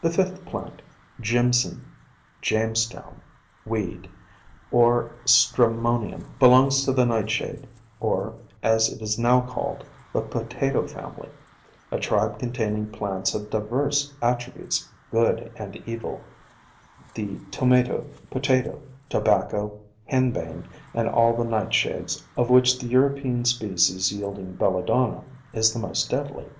The fifth plant, Jimson (Jamestown) Weed, or Stramonium, belongs to the Nightshade, or, as it is now called, the Potato family, a tribe contain ing plants of diverse attributes good and evil — the Tomato, Potato, Tobacco, Henbane and all the Nightshades — of which the European species yielding Belladonna is the most deadly.